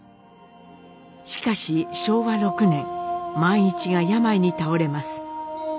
しかし昭和６年萬一が病に倒れます。